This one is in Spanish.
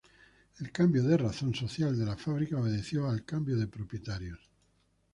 El cambio de razón social de la fábrica obedeció al cambio de propietarios.